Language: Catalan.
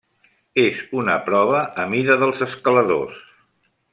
És una prova a mida dels escaladors.